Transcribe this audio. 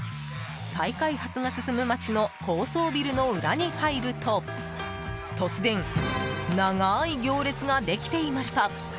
再開発が進む街の高層ビルの裏に入ると突然、長い行列ができていました。